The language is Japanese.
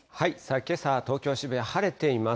けさは東京・渋谷、晴れています。